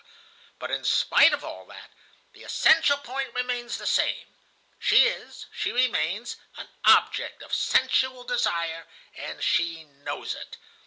but, in spite of all that, the essential point remains the same. She is, she remains, an object of sensual desire, and she knows it.